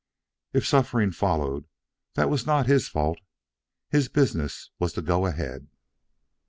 If suffering followed, that was not his fault; his business was to go ahead.